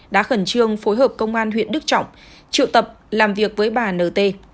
đã khẩn trương phối hợp công an huyện đức trọng triệu tập làm việc với bà n t